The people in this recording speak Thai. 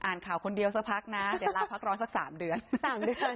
อ่านข่าวคนเดียวสักพักนะเดี๋ยวลาพักร้อนสัก๓เดือน๓เดือน